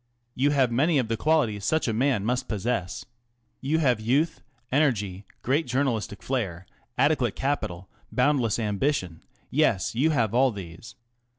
You have many of the qualities such a man must possess. You have youth, en ergy, great jour nalistic fiairt\ adequate capital, boundless ambi tion ŌĆö > yes, you have all these.